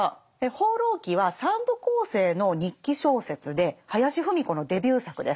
「放浪記」は三部構成の日記小説で林芙美子のデビュー作です。